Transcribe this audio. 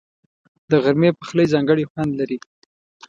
د غرمې پخلی ځانګړی خوند لري